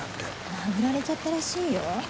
殴られちゃったらしいよ。